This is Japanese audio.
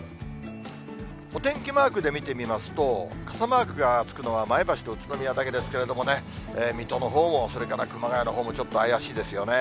お天気マークで見てみますと、傘マークがつくのは前橋と宇都宮だけですけどね、水戸のほうも、それから熊谷のほうもちょっと怪しいですよね。